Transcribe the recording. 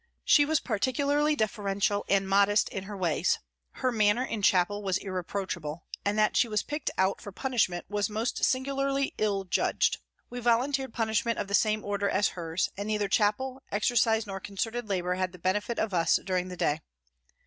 She was particularly deferen tial and modest in her ways, her manner in chapel was irreproachable, and that she was picked out for punishment was most singularly ill judged. We volunteered punishment of the same order as hers, and neither chapel, exercise, nor concerted labour had the benefit of us during the day.